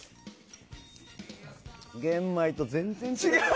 玄米と全然違う。